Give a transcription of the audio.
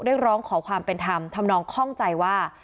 เรียกร้องขอความเป็นธรรมทำนองคล่องใจว่า